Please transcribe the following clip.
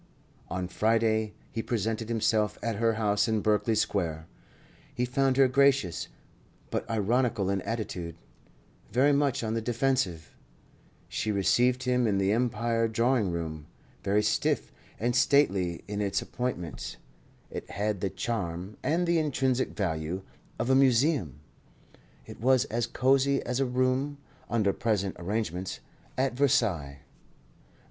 On Friday he presented himself at her house in Berkeley Square. He found her gracious, but ironical in attitude, very much on the defensive. She received him in the Empire drawing room very stiff and stately in its appointments. It had the charm (and the intrinsic value) of a museum; it was as cosy as a room (under present arrangements) at Versailles.